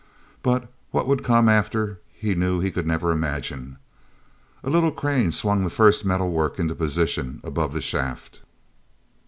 But what would come after he knew he could never imagine. little crane swung the first metal work into position above the shaft.